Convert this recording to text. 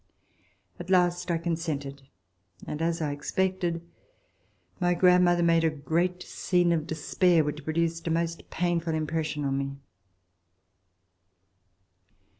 At last I consented, and, as I expected, my grandmother made a great scene of despair, which produced a most painful impression upon me.